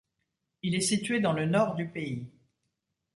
Il est situé dans le nord du pays.